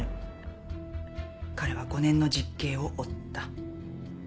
彼は５年の実刑を負った。